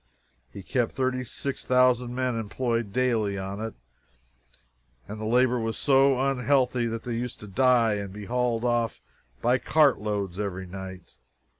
He kept 36,000 men employed daily on it, and the labor was so unhealthy that they used to die and be hauled off by cartloads every night.